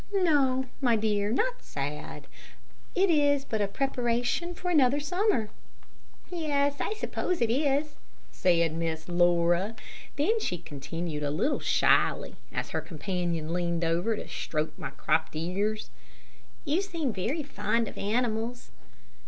"No, my dear, not sad. It is but a preparation for another summer." "Yes, I suppose it is," said Miss Laura. Then she continued a little shyly, as her companion leaned over to stroke my cropped ears "You seem very fond of animals."